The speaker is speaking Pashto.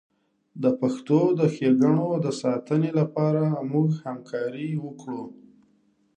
د پښتو د ښیګڼو د ساتنې لپاره موږ همکاري وکړو.